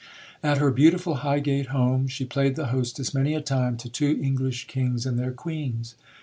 At her beautiful Highgate home she played the hostess many a time to two English Kings and their Queens.